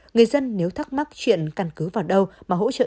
người dân nếu thắc mắc chuyện căn cứ vào đâu mà hỗ trợ